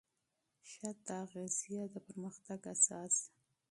ښه تغذیه د پرمختګ اساس ده.